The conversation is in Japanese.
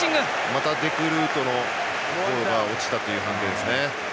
またデクルートの肩が落ちたという判定ですね。